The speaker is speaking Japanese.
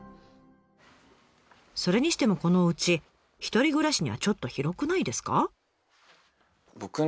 それにしてもこのおうち１人暮らしにはちょっと広くないですか？